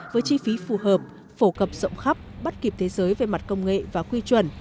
với chi phí phù hợp phổ cập rộng khắp bắt kịp thế giới về mặt công nghệ và quy chuẩn